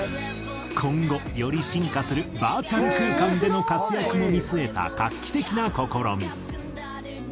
今後より進化するバーチャル空間での活躍も見据えた画期的な試み。